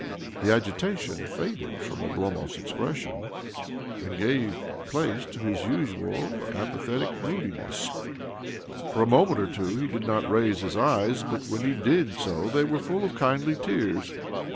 The agitation faded from Oblomov's expression, and gave place to his usual apathetic moodiness. For a moment or two he did not raise his eyes ; but when he did so they were full of kindly tears.